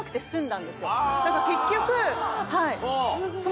だから結局その。